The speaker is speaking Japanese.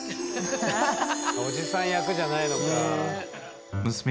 おじさん役じゃないのか。